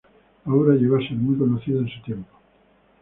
La obra llegó a ser muy conocida en su tiempo.